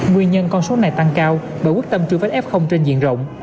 nguyên nhân con số này tăng cao bởi quyết tâm truy vết f trên diện rộng